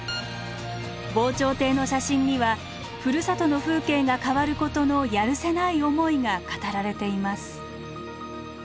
防潮堤の写真にはふるさとの風景が変わることのやるせない思いが語られています。